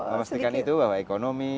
memastikan itu bahwa ekonomi